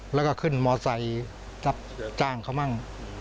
แล้วก็ขึ้นมอไซจ้างเขาบ้าง